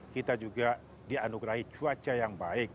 kita juga dianugerahi cuaca yang baik